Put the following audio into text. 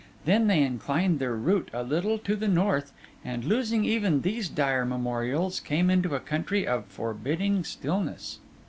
Then they inclined their route a little to the north, and, losing even these dire memorials, came into a country of forbidding stillness.